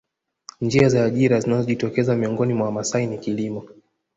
Njia za ajira zinazojitokeza miongoni mwa Wamasai ni kilimo